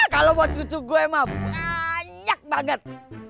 kalau buat cucu gue emang banyak banget